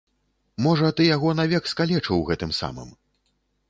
Можа, ты яго навек скалечыў гэтым самым.